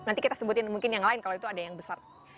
nanti kita sebutin mungkin yang lain kalau itu ada yang besar